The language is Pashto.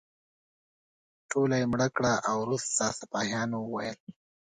ټوله یې مړه کړه او وروسته سپاهیانو وویل.